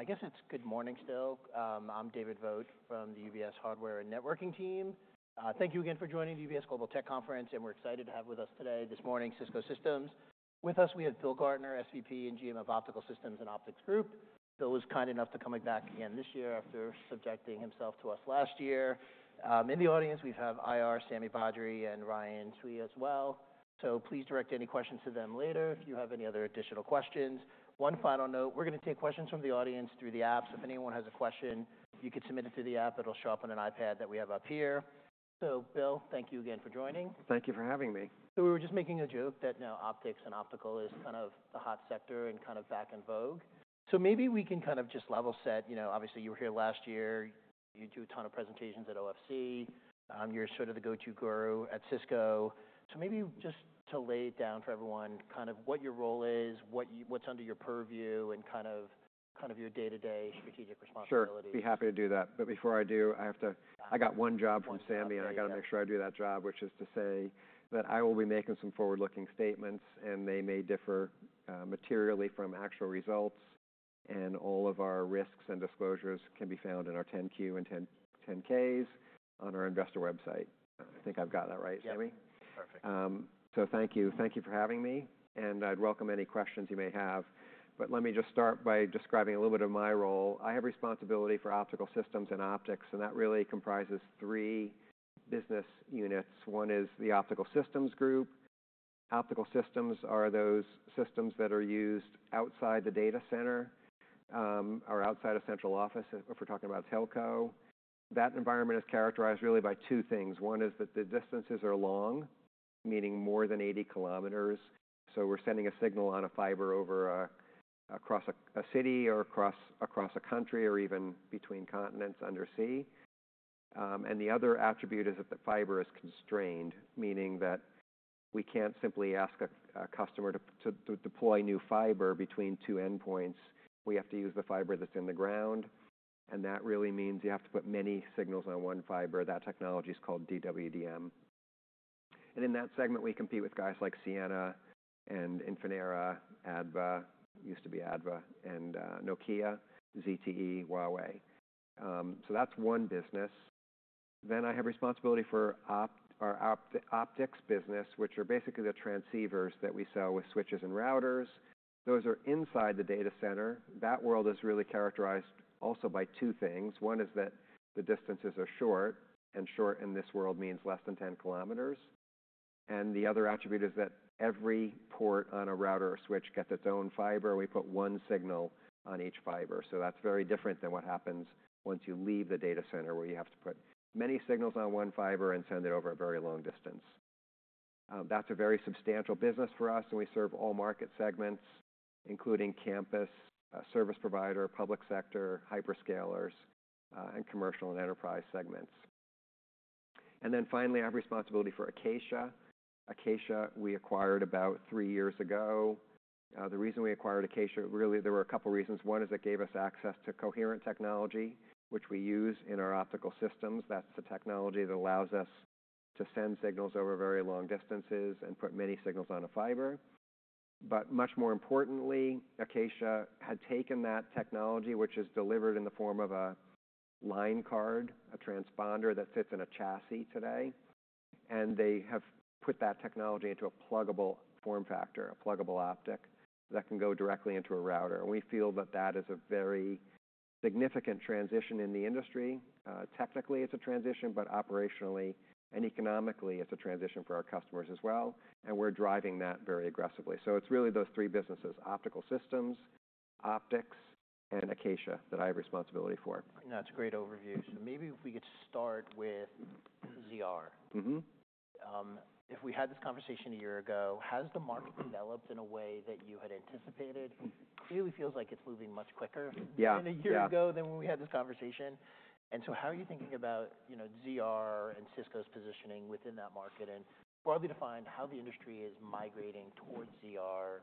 Good, I guess it's good morning still. I'm David Vogt from the UBS Hardware and Networking team. Thank you again for joining the UBS Global Tech Conference, and we're excited to have with us today, this morning, Cisco Systems. With us, we have Bill Gartner, SVP and GM of Optical Systems and Optics Group. Bill was kind enough to come back again this year after subjecting himself to us last year. In the audience, we have IR, Sami Badri, and Ryan Cui as well. So please direct any questions to them later if you have any other additional questions. One final note, we're gonna take questions from the audience through the app. So if anyone has a question, you could submit it through the app. It'll show up on an iPad that we have up here. So Bill, thank you again for joining. Thank you for having me. So we were just making a joke that, you know, Optics and optical is kind of the hot sector and kind of back in vogue. So maybe we can kind of just level set, you know, obviously you were here last year. You do a ton of presentations at OFC. You're sort of the go-to guru at Cisco. So maybe just to lay it down for everyone, kind of what your role is, what's under your purview, and kind of your day-to-day strategic responsibilities? Sure. Be happy to do that. But before I do, I have to—I got one job from Sami and I gotta make sure I do that job, which is to say that I will be making some forward-looking statements and they may differ materially from actual results, and all of our risks and disclosures can be found in our 10-Q and 10-Ks on our investor website. I think I've got that right, Sami? Yep. Perfect. Thank you. Thank you for having me. I'd welcome any questions you may have. But let me just start by describing a little bit of my role. I have responsibility for Optical Systems and Optics, and that really comprises three business units. One is the Optical Systems Group. Optical systems are those systems that are used outside the data center, or outside of central office, if we're talking about telco. That environment is characterized really by two things. One is that the distances are long, meaning more than 80 km. We're sending a signal on a fiber across a city or across a country or even between continents undersea. The other attribute is that the fiber is constrained, meaning that we can't simply ask a customer to deploy new fiber between two endpoints. We have to use the fiber that's in the ground. And that really means you have to put many signals on one fiber. That technology's called DWDM. And in that segment, we compete with guys like Ciena and Infinera, ADVA, used to be ADVA, and Nokia, ZTE, Huawei. So that's one business. Then I have responsibility for our Optics business, which are basically the transceivers that we sell with switches and routers. Those are inside the data center. That world is really characterized also by two things. One is that the distances are short, and short in this world means less than 10 km. And the other attribute is that every port on a router or switch gets its own fiber. We put one signal on each fiber. So that's very different than what happens once you leave the data center, where you have to put many signals on one fiber and send it over a very long distance. That's a very substantial business for us, and we serve all market segments, including campus, a service provider, public sector, hyperscalers, and commercial and enterprise segments. And then finally, I have responsibility for Acacia. Acacia we acquired about three years ago. The reason we acquired Acacia really, there were a couple reasons. One is it gave us access to coherent technology, which we use in our Optical Systems. That's the technology that allows us to send signals over very long distances and put many signals on a fiber. But much more importantly, Acacia had taken that technology, which is delivered in the form of a line card, a transponder that sits in a chassis today. And they have put that technology into a pluggable form factor, a pluggable optic that can go directly into a router. And we feel that that is a very significant transition in the industry. Technically, it's a transition, but operationally and economically, it's a transition for our customers as well, and we're driving that very aggressively, so it's really those three businesses: Optical Systems, Optics, and Acacia that I have responsibility for. That's a great overview. So maybe if we could start with ZR. Mm-hmm. If we had this conversation a year ago, has the market developed in a way that you had anticipated? It really feels like it's moving much quicker. Yeah. Than a year ago from when we had this conversation. And so how are you thinking about, you know, ZR and Cisco's positioning within that market and broadly defined how the industry is migrating towards ZR,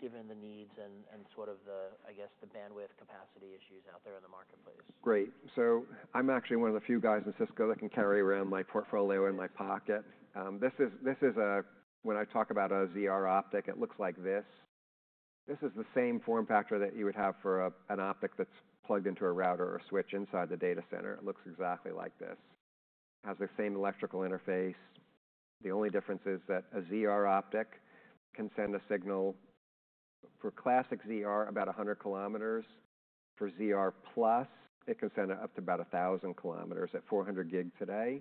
given the needs and sort of the, I guess, bandwidth capacity issues out there in the marketplace? Great. So I'm actually one of the few guys in Cisco that can carry around my portfolio in my pocket. When I talk about a ZR optic, it looks like this. This is the same form factor that you would have for an optic that's plugged into a router or a switch inside the data center. It looks exactly like this. It has the same electrical interface. The only difference is that a ZR optic can send a signal for classic ZR about 100 km. For ZR+, it can send up to about 1,000 km at 400 gig today.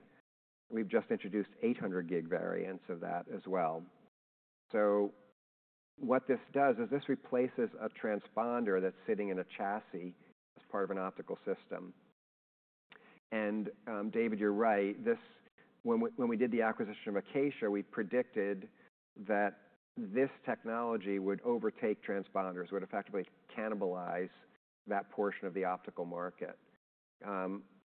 We've just introduced 800 gig variants of that as well. So what this does is this replaces a transponder that's sitting in a chassis as part of an optical system. And, David, you're right. When we did the acquisition of Acacia, we predicted that this technology would overtake transponders, would effectively cannibalize that portion of the optical market.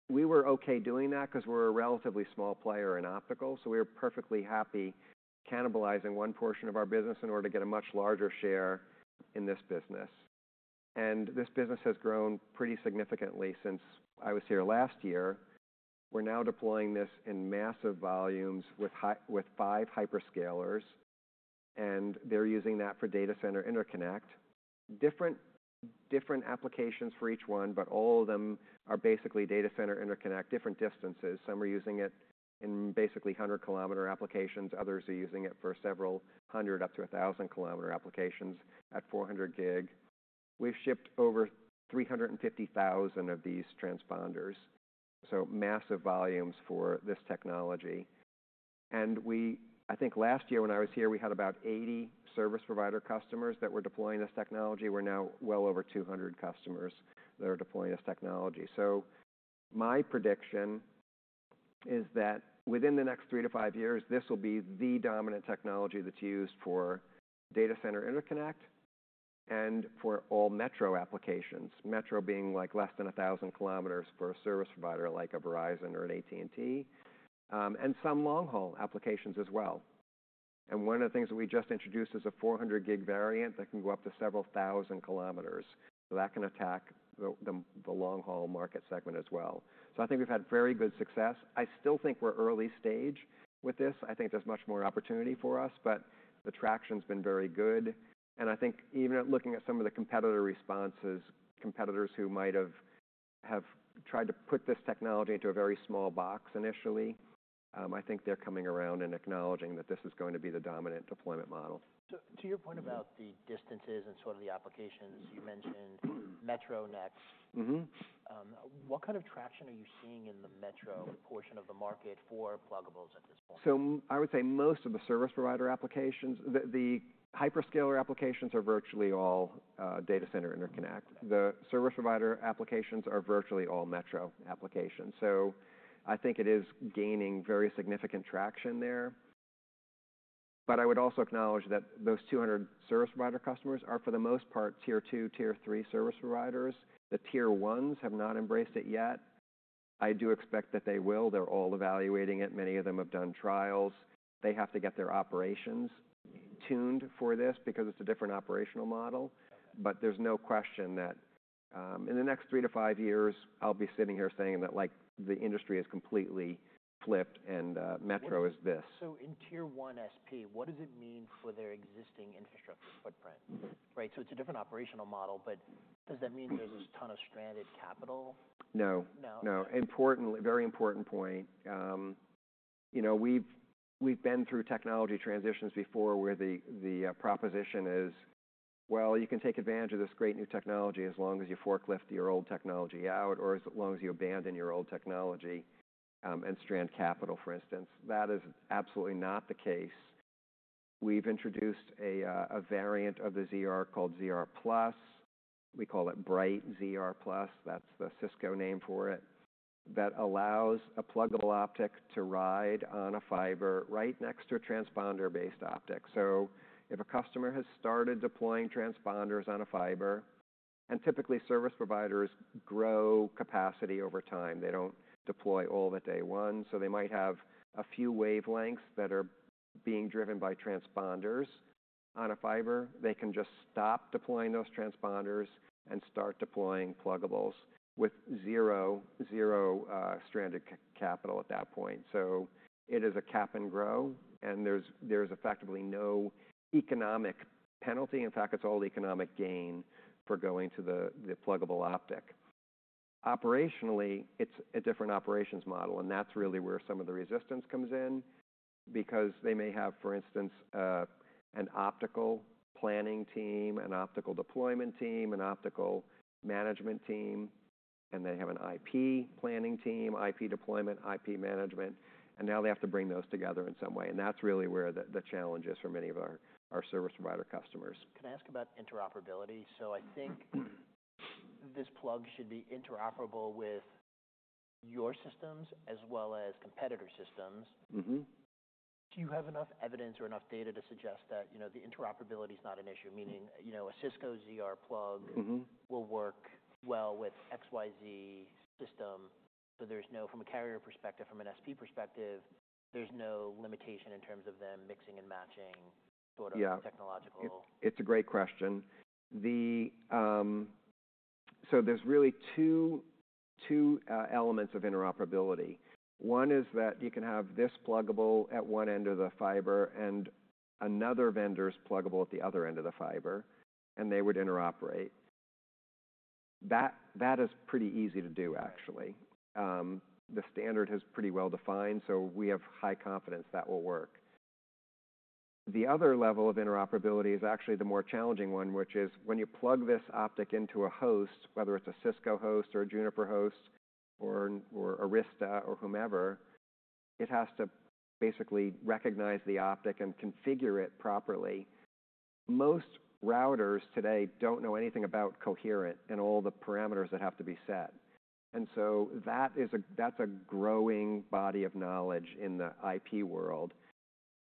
We were okay doing that 'cause we're a relatively small player in optical, so we were perfectly happy cannibalizing one portion of our business in order to get a much larger share in this business. This business has grown pretty significantly since I was here last year. We're now deploying this in massive volumes with five hyperscalers. They're using that for data center interconnect. Different applications for each one, but all of them are basically data center interconnect, different distances. Some are using it in basically 100 km applications. Others are using it for several hundred up to 1,000 km applications at 400 gig. We've shipped over 350,000 of these transponders, so massive volumes for this technology. We, I think last year when I was here, we had about 80 service provider customers that were deploying this technology. We're now well over 200 customers that are deploying this technology. My prediction is that within the next three to five years, this will be the dominant technology that's used for data center interconnect and for all metro applications. Metro being like less than 1,000 km for a service provider like a Verizon or an AT&T, and some long-haul applications as well. One of the things that we just introduced is a 400-gig variant that can go up to several thousand kilometers. That can attack the long-haul market segment as well. I think we've had very good success. I still think we're early stage with this. I think there's much more opportunity for us, but the traction's been very good. I think even looking at some of the competitor responses, competitors who might have tried to put this technology into a very small box initially, I think they're coming around and acknowledging that this is going to be the dominant deployment model. To your point about the distances and sort of the applications, you mentioned metro next. Mm-hmm. What kind of traction are you seeing in the metro portion of the market for pluggables at this point? So I would say most of the service provider applications, the hyperscaler applications are virtually all data center interconnect. The service provider applications are virtually all metro applications. So I think it is gaining very significant traction there. But I would also acknowledge that those 200 service provider customers are for the most part tier two, tier three service providers. The tier ones have not embraced it yet. I do expect that they will. They're all evaluating it. Many of them have done trials. They have to get their operations tuned for this because it's a different operational model. But there's no question that, in the next three to five years, I'll be sitting here saying that, like, the industry has completely flipped and, metro is this. In tier one SP, what does it mean for their existing infrastructure footprint? Right? It's a different operational model, but does that mean there's this ton of stranded capital? No. No? No. Important, very important point. You know, we've been through technology transitions before where the proposition is, well, you can take advantage of this great new technology as long as you forklift your old technology out or as long as you abandon your old technology, and strand capital, for instance. That is absolutely not the case. We've introduced a variant of the ZR called ZR+. We call it Bright ZR+. That's the Cisco name for it. That allows a pluggable optic to ride on a fiber right next to a transponder-based optic. So if a customer has started deploying transponders on a fiber, and typically service providers grow capacity over time, they don't deploy all that day one. So they might have a few wavelengths that are being driven by transponders on a fiber. They can just stop deploying those transponders and start deploying pluggables with zero, zero, stranded capital at that point. So it is a cap and grow, and there's effectively no economic penalty. In fact, it's all economic gain for going to the pluggable optic. Operationally, it's a different operations model, and that's really where some of the resistance comes in because they may have, for instance, an optical planning team, an optical deployment team, an optical management team, and they have an IP planning team, IP deployment, IP management. And now they have to bring those together in some way. And that's really where the challenge is for many of our service provider customers. Can I ask about interoperability? So I think this plug should be interoperable with your systems as well as competitor systems. Mm-hmm. Do you have enough evidence or enough data to suggest that, you know, the interoperability's not an issue? Meaning, you know, a Cisco ZR plug. Mm-hmm. Will work well with XYZ system. So there's no, from a carrier perspective, from an SP perspective, there's no limitation in terms of them mixing and matching sort of. Yeah. Technological. It's a great question. So there's really two elements of interoperability. One is that you can have this pluggable at one end of the fiber and another vendor's pluggable at the other end of the fiber, and they would interoperate. That is pretty easy to do, actually. The standard is pretty well defined, so we have high confidence that will work. The other level of interoperability is actually the more challenging one, which is when you plug this optic into a host, whether it's a Cisco host or a Juniper host or Arista or whomever, it has to basically recognize the optic and configure it properly. Most routers today don't know anything about coherent and all the parameters that have to be set. And so that's a growing body of knowledge in the IP world.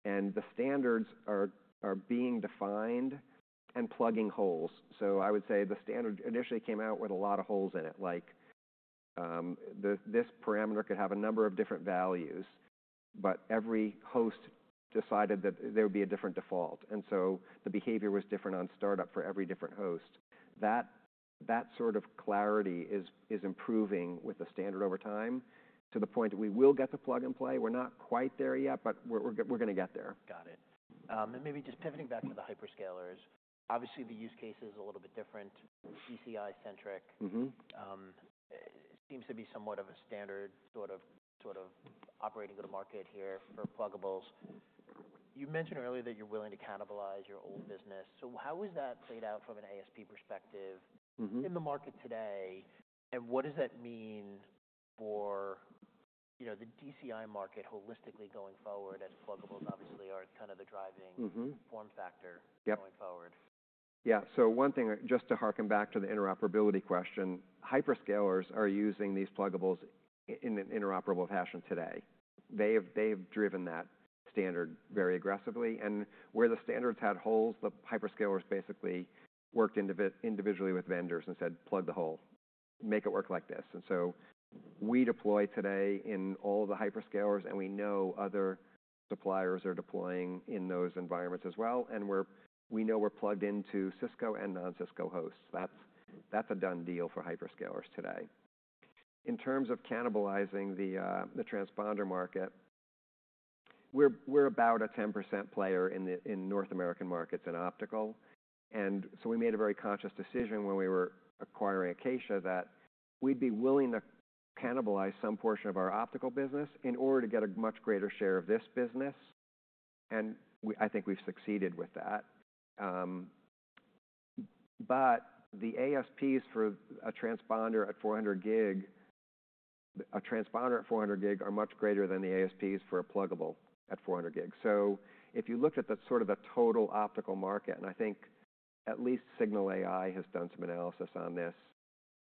And the standards are being defined and plugging holes. So I would say the standard initially came out with a lot of holes in it, like, this parameter could have a number of different values, but every host decided that there would be a different default. And so the behavior was different on startup for every different host. That sort of clarity is improving with the standard over time to the point that we will get the plug and play. We're not quite there yet, but we're gonna get there. Got it. And maybe just pivoting back to the hyperscalers, obviously the use case is a little bit different. DCI-centric. Mm-hmm. It seems to be somewhat of a standard sort of operating to the market here for pluggables. You mentioned earlier that you're willing to cannibalize your old business. So how has that played out from an ASP perspective? Mm-hmm. In the market today, and what does that mean for, you know, the DCI market holistically going forward as pluggables obviously are kind of the driving. Mm-hmm. Form factor. Yep. Going forward. Yeah. So one thing, just to hearken back to the interoperability question, hyperscalers are using these pluggables in an interoperable fashion today. They have driven that standard very aggressively. And where the standards had holes, the hyperscalers basically worked individually with vendors and said, "Plug the hole. Make it work like this." And so we deploy today in all of the hyperscalers, and we know other suppliers are deploying in those environments as well. And we know we're plugged into Cisco and non-Cisco hosts. That's a done deal for hyperscalers today. In terms of cannibalizing the transponder market, we're about a 10% player in North American markets in optical. And so we made a very conscious decision when we were acquiring Acacia that we'd be willing to cannibalize some portion of our optical business in order to get a much greater share of this business. And we, I think we've succeeded with that. But the ASPs for a transponder at 400 gig, a transponder at 400 gig are much greater than the ASPs for a pluggable at 400 gig. So if you looked at the sort of the total optical market, and I think at least Cignal AI has done some analysis on this,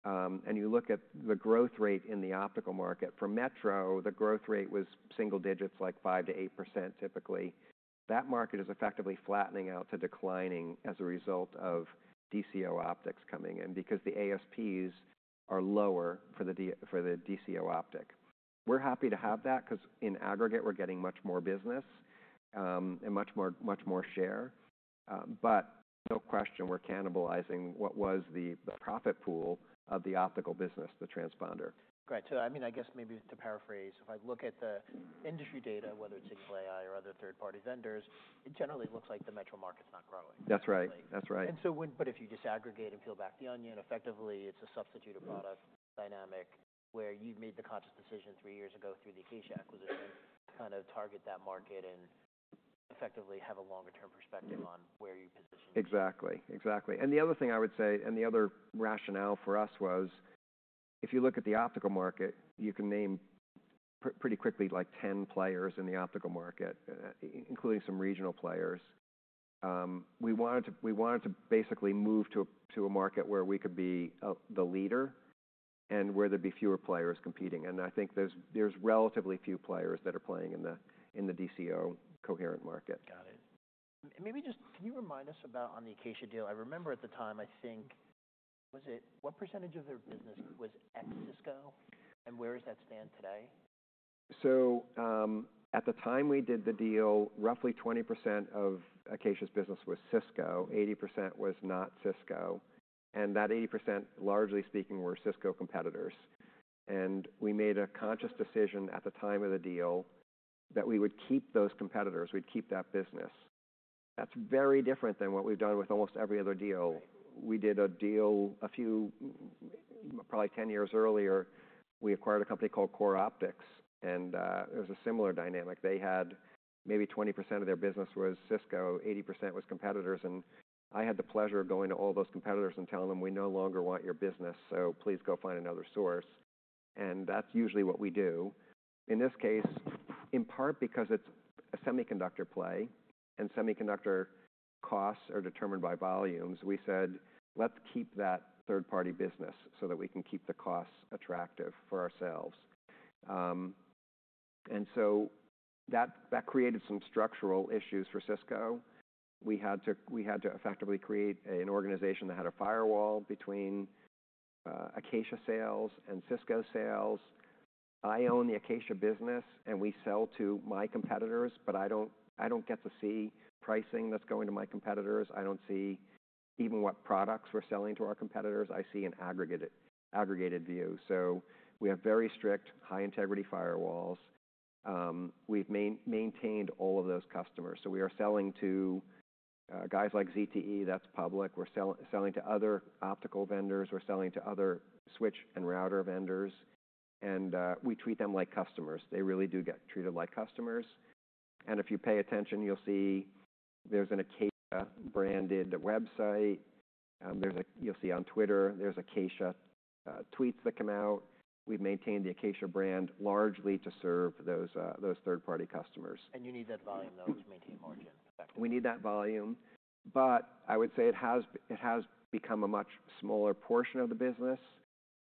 and you look at the growth rate in the optical market for metro, the growth rate was single digits, like 5%-8% typically. That market is effectively flattening out to declining as a result of DCO Optics coming in because the ASPs are lower for the DCO Optic. We're happy to have that 'cause in aggregate, we're getting much more business, and much more, much more share. But no question we're cannibalizing what was the profit pool of the optical business, the transponder. Right. So I mean, I guess maybe to paraphrase, if I look at the industry data, whether it's Cignal AI or other third-party vendors, it generally looks like the metro market's not growing. That's right. That's right. If you disaggregate and peel back the onion, effectively it's a substitute or product dynamic where you've made the conscious decision three years ago through the Acacia acquisition to kind of target that market and effectively have a longer-term perspective on where you position. Exactly. Exactly. And the other thing I would say, and the other rationale for us was if you look at the optical market, you can name pretty quickly like 10 players in the optical market, including some regional players. We wanted to basically move to a market where we could be the leader and where there'd be fewer players competing. And I think there's relatively few players that are playing in the DCO coherent market. Got it. And maybe just can you remind us about on the Acacia deal? I remember at the time, I think, was it what percentage of their business was ex-Cisco? And where does that stand today? At the time we did the deal, roughly 20% of Acacia's business was Cisco. 80% was not Cisco. And that 80%, largely speaking, were Cisco competitors. And we made a conscious decision at the time of the deal that we would keep those competitors. We'd keep that business. That's very different than what we've done with almost every other deal. We did a deal a few, probably 10 years earlier. We acquired a company called CoreOptics, and it was a similar dynamic. They had maybe 20% of their business was Cisco, 80% was competitors. And I had the pleasure of going to all those competitors and telling them, "We no longer want your business, so please go find another source." And that's usually what we do. In this case, in part because it's a semiconductor play and semiconductor costs are determined by volumes, we said, "Let's keep that third-party business so that we can keep the costs attractive for ourselves," and so that, that created some structural issues for Cisco. We had to, we had to effectively create an organization that had a firewall between Acacia sales and Cisco sales. I own the Acacia business, and we sell to my competitors, but I don't, I don't get to see pricing that's going to my competitors. I don't see even what products we're selling to our competitors. I see an aggregated view. So we have very strict high integrity firewalls. We've maintained all of those customers. So we are selling to guys like ZTE that's public. We're selling to other optical vendors. We're selling to other switch and router vendors. We treat them like customers. They really do get treated like customers. If you pay attention, you'll see there's an Acacia-branded website. There's a, you'll see on Twitter, there's Acacia tweets that come out. We've maintained the Acacia brand largely to serve those third-party customers. You need that volume though to maintain margin effectively. We need that volume, but I would say it has become a much smaller portion of the business,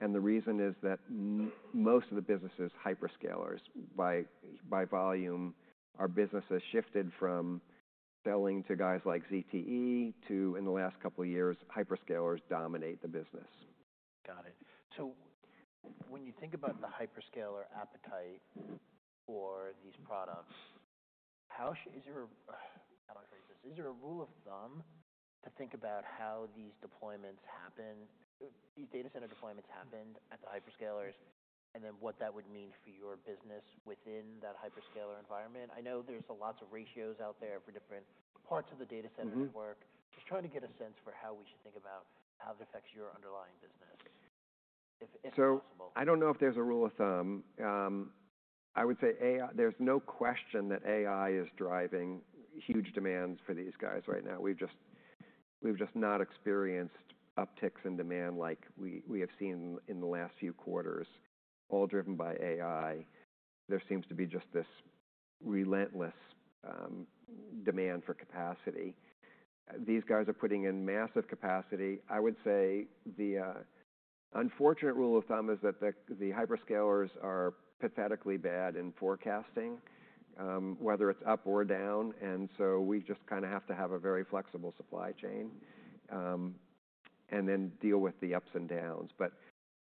and the reason is that most of the business is hyperscalers by volume. Our business has shifted from selling to guys like ZTE to, in the last couple of years, hyperscalers dominate the business. Got it. So when you think about the hyperscaler appetite for these products, how do I phrase this? Is there a rule of thumb to think about how these deployments happen? These data center deployments happened at the hyperscalers, and then what that would mean for your business within that hyperscaler environment? I know there's lots of ratios out there for different parts of the data center network. Just trying to get a sense for how we should think about how that affects your underlying business if possible. I don't know if there's a rule of thumb. I would say AI, there's no question that AI is driving huge demands for these guys right now. We've just not experienced upticks in demand like we have seen in the last few quarters, all driven by AI. There seems to be just this relentless demand for capacity. These guys are putting in massive capacity. I would say the unfortunate rule of thumb is that the hyperscalers are pathetically bad in forecasting, whether it's up or down. And so we just kind of have to have a very flexible supply chain, and then deal with the ups and downs. But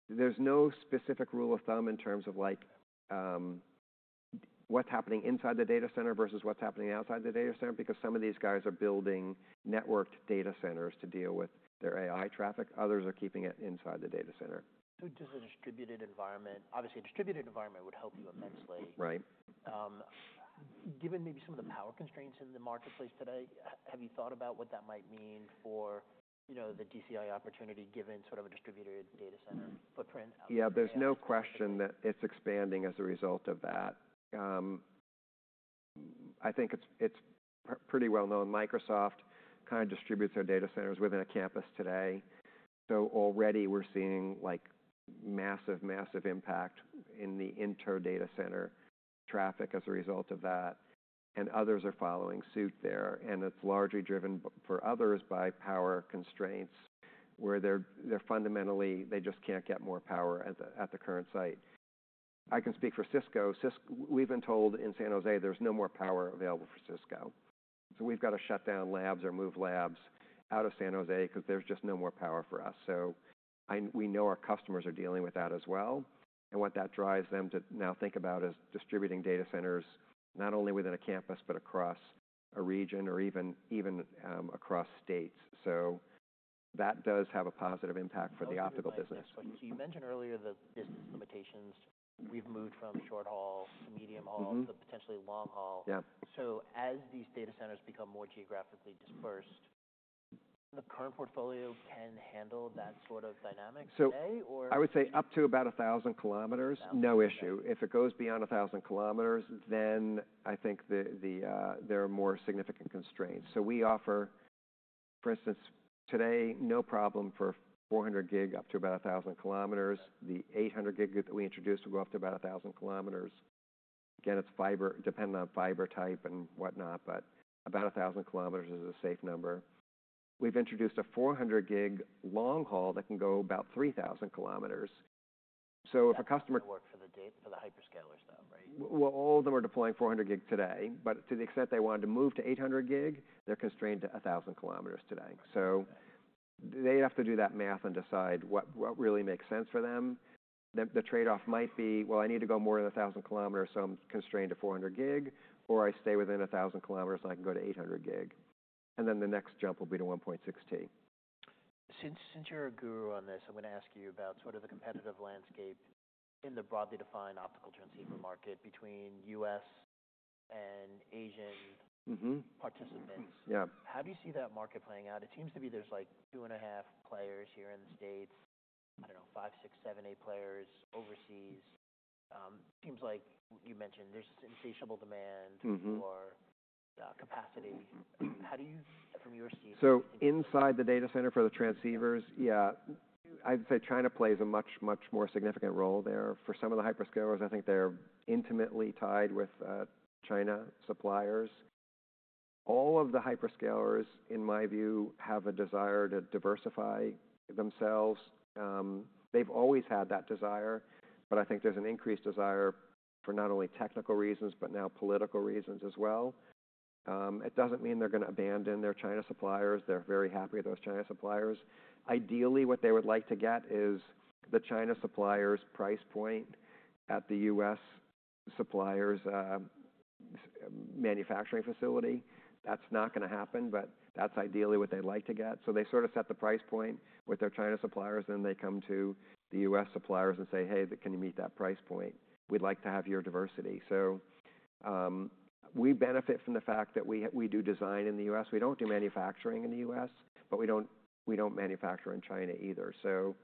there's no specific rule of thumb in terms of like, what's happening inside the data center versus what's happening outside the data center because some of these guys are building networked data centers to deal with their AI traffic. Others are keeping it inside the data center. So just a distributed environment, obviously a distributed environment would help you immensely. Right. Given maybe some of the power constraints in the marketplace today, have you thought about what that might mean for, you know, the DCI opportunity given sort of a distributed data center footprint? Yeah. There's no question that it's expanding as a result of that. I think it's pretty well known. Microsoft kind of distributes their data centers within a campus today. So already we're seeing like massive, massive impact in the inter-data center traffic as a result of that. And others are following suit there. And it's largely driven for others by power constraints where they're fundamentally, they just can't get more power at the current site. I can speak for Cisco. Cisco, we've been told in San Jose there's no more power available for Cisco. So we've got to shut down labs or move labs out of San Jose 'cause there's just no more power for us. So we know our customers are dealing with that as well. What that drives them to now think about is distributing data centers not only within a campus but across a region or even across states. That does have a positive impact for the optical business. You mentioned earlier the business limitations. We've moved from short haul to medium haul to potentially long haul. Yeah. So as these data centers become more geographically dispersed, the current portfolio can handle that sort of dynamic today or? So I would say up to about 1,000 km, no issue. If it goes beyond 1,000 km, then I think the there are more significant constraints. So we offer, for instance, today, no problem for 400 gig up to about 1,000 km. The 800 gig that we introduced will go up to about 1,000 km. Again, it's fiber, depending on fiber type and whatnot, but about 1,000 km is a safe number. We've introduced a 400 gig long-haul that can go about 3,000 km. So if a customer. Works for the data for the hyperscalers though, right? All of them are deploying 400 gig today. To the extent they wanted to move to 800 gig, they're constrained to 1,000 km today. They'd have to do that math and decide what really makes sense for them. The trade-off might be, "Well, I need to go more than 1,000 km, so I'm constrained to 400 gig, or I stay within 1,000 km and I can go to 800 gig." The next jump will be to 1.6T. Since you're a guru on this, I'm gonna ask you about sort of the competitive landscape in the broadly defined optical transceiver market between U.S. and Asian. Mm-hmm. Participants. Yeah. How do you see that market playing out? It seems to be there's like two and a half players here in the States, I don't know, five, six, seven, eight players overseas. Seems like you mentioned there's this insatiable demand. Mm-hmm. For capacity. How do you from your? So inside the data center for the transceivers, yeah, I'd say China plays a much, much more significant role there. For some of the hyperscalers, I think they're intimately tied with China suppliers. All of the hyperscalers, in my view, have a desire to diversify themselves. They've always had that desire, but I think there's an increased desire for not only technical reasons but now political reasons as well. It doesn't mean they're gonna abandon their China suppliers. They're very happy with those China suppliers. Ideally, what they would like to get is the China supplier's price point at the U.S. supplier's manufacturing facility. That's not gonna happen, but that's ideally what they'd like to get. So they sort of set the price point with their China suppliers, then they come to the U.S. suppliers and say, "Hey, can you meet that price point? We'd like to have your diversity." So, we benefit from the fact that we do design in the U.S. We don't do manufacturing in the U.S., but we don't manufacture in China either. So,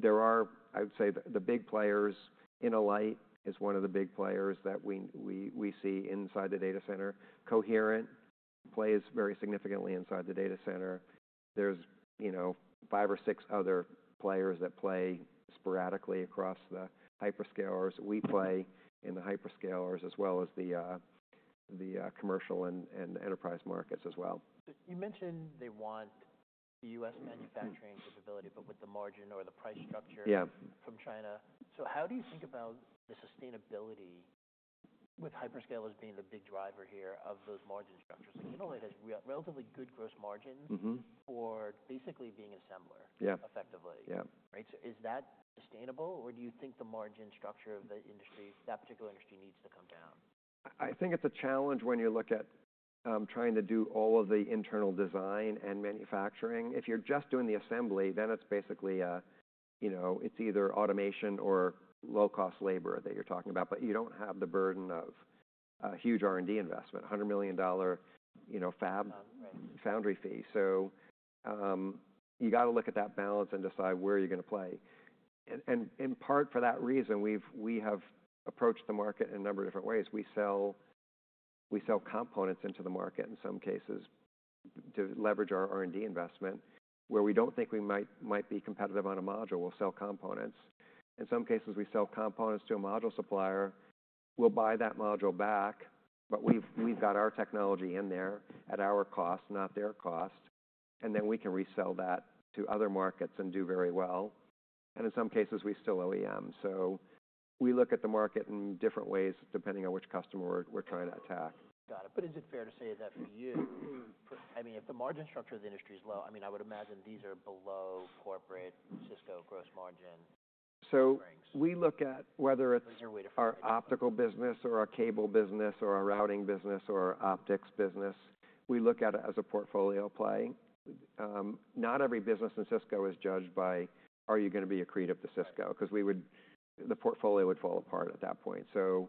there are, I would say the big players InnoLight is one of the big players that we see inside the data center. Coherent plays very significantly inside the data center. There's, you know, five or six other players that play sporadically across the hyperscalers. We play in the hyperscalers as well as the commercial and enterprise markets as well. You mentioned they want U.S. manufacturing capability, but with the margin or the price structure. Yeah. From China. So how do you think about the sustainability with hyperscalers being the big driver here of those margin structures? Like, InnoLight has relatively good gross margins. Mm-hmm. For basically being an assembler. Yeah. Effectively. Yeah. Right? So is that sustainable or do you think the margin structure of the industry, that particular industry needs to come down? I think it's a challenge when you look at trying to do all of the internal design and manufacturing. If you're just doing the assembly, then it's basically, you know, it's either automation or low-cost labor that you're talking about, but you don't have the burden of a huge R&D investment, $100 million, you know, fab. Right. Foundry fee. So you gotta look at that balance and decide where you're gonna play. And in part for that reason, we have approached the market in a number of different ways. We sell components into the market in some cases to leverage our R&D investment where we don't think we might be competitive on a module. We'll sell components. In some cases, we sell components to a module supplier. We'll buy that module back, but we've got our technology in there at our cost, not their cost. And then we can resell that to other markets and do very well. And in some cases, we still OEM. So we look at the market in different ways depending on which customer we're trying to attack. Got it. But is it fair to say that for you, I mean, if the margin structure of the industry is low, I mean, I would imagine these are below corporate Cisco gross margin offerings. We look at whether it's. What's your way to frame it? Our optical business or our cable business or our routing business or our Optics business. We look at it as a portfolio play. Not every business in Cisco is judged by, "Are you gonna be accretive to Cisco?" 'Cause we would, the portfolio would fall apart at that point. So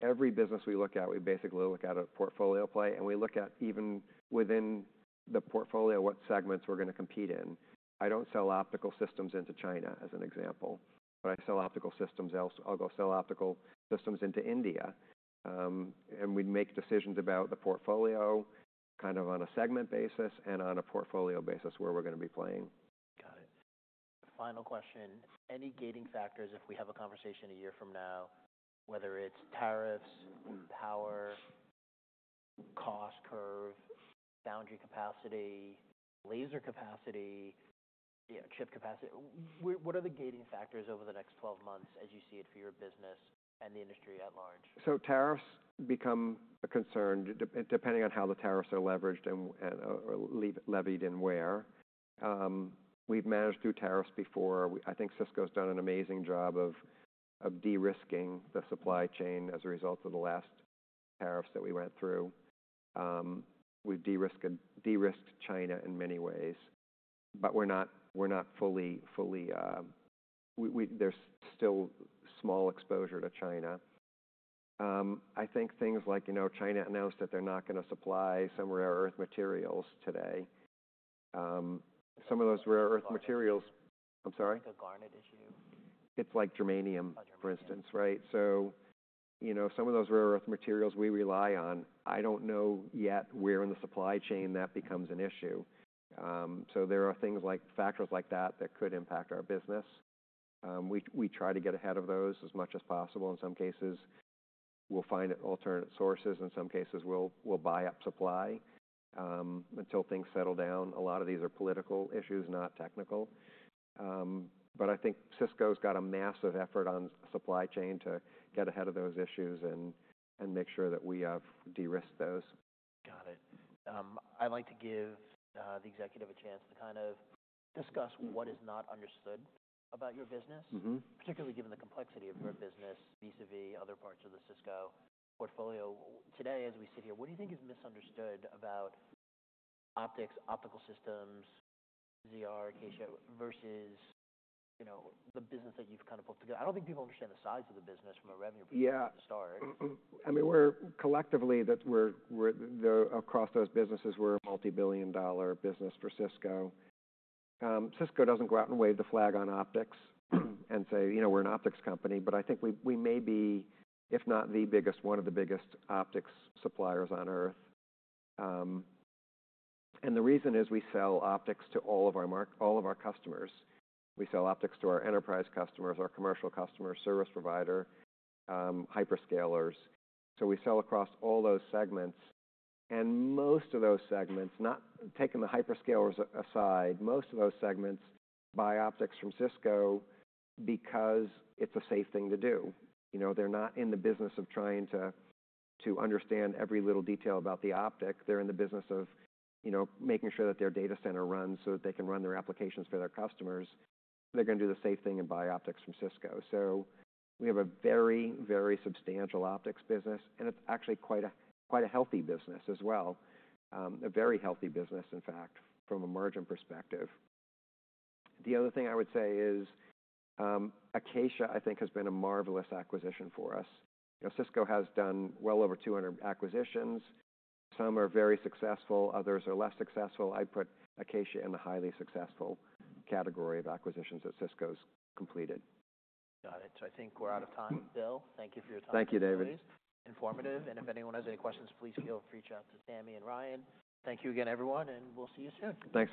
every business we look at, we basically look at a portfolio play. We look at even within the portfolio what segments we're gonna compete in. I don't sell Optical Systems into China as an example, but I sell Optical Systems elsewhere. I'll go sell Optical Systems into India. We'd make decisions about the portfolio kind of on a segment basis and on a portfolio basis where we're gonna be playing. Got it. Final question. Any gating factors if we have a conversation a year from now, whether it's tariffs, power, cost curve, foundry capacity, laser capacity, you know, chip capacity? What are the gating factors over the next 12 months as you see it for your business and the industry at large? Tariffs become a concern depending on how the tariffs are leveraged and or levied and where. We've managed through tariffs before. I think Cisco's done an amazing job of de-risking the supply chain as a result of the last tariffs that we went through. We've de-risked China in many ways, but we're not fully. There's still small exposure to China. I think things like, you know, China announced that they're not gonna supply some rare earth materials today. Some of those rare earth materials. So. I'm sorry? Like a Gartner issue? It's like germanium, for instance, right? So, you know, some of those rare earth materials we rely on, I don't know yet where in the supply chain that becomes an issue, so there are things like factors like that that could impact our business. We try to get ahead of those as much as possible. In some cases, we'll find alternate sources. In some cases, we'll buy up supply until things settle down. A lot of these are political issues, not technical, but I think Cisco's got a massive effort on supply chain to get ahead of those issues and make sure that we have de-risked those. Got it. I'd like to give the executive a chance to kind of discuss what is not understood about your business. Mm-hmm. Particularly given the complexity of your business vis-à-vis other parts of the Cisco portfolio. Today, as we sit here, what do you think is misunderstood about Optics, Optical Systems, ZR, Acacia versus, you know, the business that you've kind of pulled together? I don't think people understand the size of the business from a revenue perspective to start. Yeah. I mean, we're collectively, across those businesses, we're a multi-billion dollar business for Cisco. Cisco doesn't go out and wave the flag on Optics and say, you know, we're an Optics company. But I think we may be, if not the biggest, one of the biggest Optics suppliers on earth. And the reason is we sell Optics to all of our customers. We sell Optics to our enterprise customers, our commercial customers, service provider, hyperscalers. So we sell across all those segments. And most of those segments, not taking the hyperscalers aside, most of those segments buy Optics from Cisco because it's a safe thing to do. You know, they're not in the business of trying to understand every little detail about the optic. They're in the business of, you know, making sure that their data center runs so that they can run their applications for their customers. They're gonna do the safe thing and buy Optics from Cisco. So we have a very, very substantial Optics business, and it's actually quite a healthy business as well, a very healthy business, in fact, from a margin perspective. The other thing I would say is, Acacia, I think, has been a marvelous acquisition for us. You know, Cisco has done well over 200 acquisitions. Some are very successful. Others are less successful. I'd put Acacia in the highly successful category of acquisitions that Cisco's completed. Got it. So I think we're out of time, Bill. Thank you for your time. Thank you, David. Informative. And if anyone has any questions, please feel free to reach out to Sami and Ryan. Thank you again, everyone, and we'll see you soon. Thanks so much.